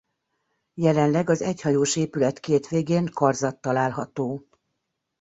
Jelenleg az egyhajós épület két végén karzat található.